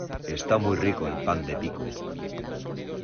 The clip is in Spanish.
Está muy rico el pan de pico